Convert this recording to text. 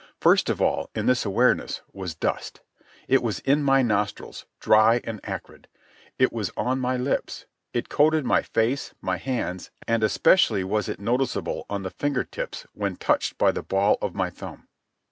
First of all, in this awareness, was dust. It was in my nostrils, dry and acrid. It was on my lips. It coated my face, my hands, and especially was it noticeable on the finger tips when touched by the ball of my thumb.